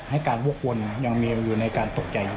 ให้การวกวนยังมีอยู่ในการตกใจอยู่